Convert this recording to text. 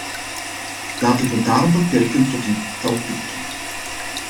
Laat ik me daarom beperken tot een drietal punten.